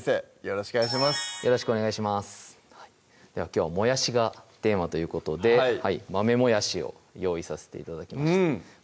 きょうはもやしがテーマということで豆もやしを用意させて頂きました